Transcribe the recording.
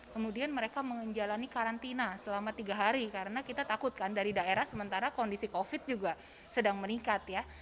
kemudian mereka menjalani karantina selama tiga hari karena kita takutkan dari daerah sementara kondisi covid juga sedang meningkat ya